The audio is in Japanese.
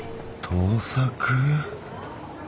盗作？